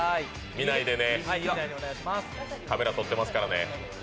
見ないでね、カメラ撮ってますからね。